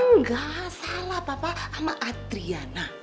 enggak salah papa sama atriana